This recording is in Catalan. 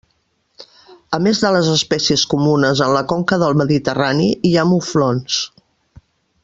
A més de les espècies comunes en la conca del Mediterrani hi ha muflons.